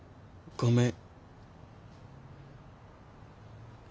ごめん。